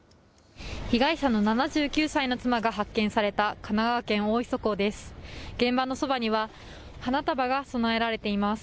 被害者の７９歳の妻が発見された神奈川県大磯港です。